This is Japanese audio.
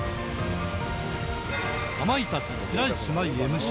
かまいたち白石麻衣 ＭＣ